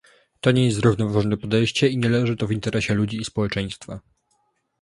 To nie jest zrównoważone podejście i nie leży to w interesie ludzi i społeczeństwa